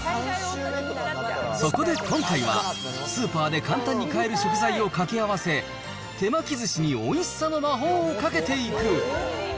そこで今回は、スーパーで簡単に買える食材を掛け合わせ、手巻きずしにおいしさの魔法をかけていく。